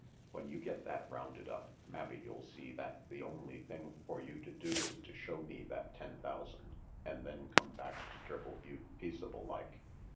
When you get that rounded up, mabbe you'll see that the only thing for you to do is to show me that ten thousand, an' then come back to Triple Butte peaceable like."